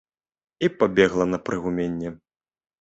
І пабегла на прыгуменне.